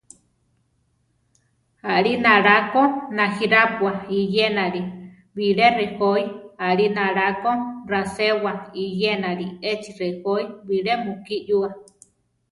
Alinála ko najirápua iyenali bilé rejói; alinála ko raséwa iyenali échi rejói bilé mukí yúa.